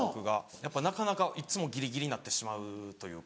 やっぱなかなかいっつもぎりぎりになってしまうというか。